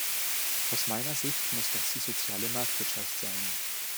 Aus meiner Sicht muss das die soziale Marktwirtschaft sein.